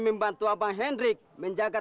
membantu abang hendrik menjaga